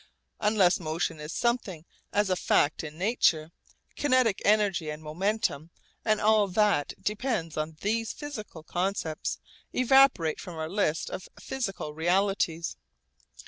Unless motion is something as a fact in nature, kinetic energy and momentum and all that depends on these physical concepts evaporate from our list of physical realities.